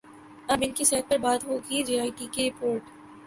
اب ان کی صحت پر بات ہوگی جے آئی ٹی کی رپورٹ